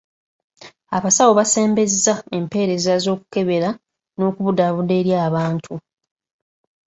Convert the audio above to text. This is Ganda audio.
Abasawo basembezza empeereza z'okukebera n'okubudaabuda eri abantu.